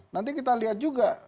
nanti kita lihat juga